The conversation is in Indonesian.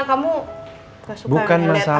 kamu gak suka yang ini